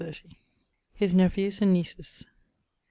<_His nephews and nieces.